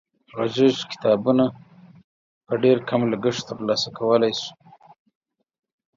غږیز کتابونه په ډېر کم لګښت تر لاسه کولای شو.